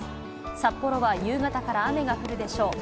札幌は夕方から雨が降るでしょう。